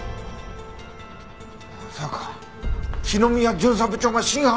まさか篠宮巡査部長が真犯人だったって事！？